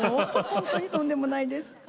ほんとにとんでもないです。